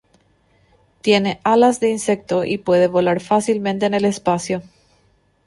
Tiene alas de insecto, y puede volar fácilmente en el espacio.